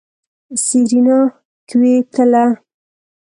سېرېنا کېوتله.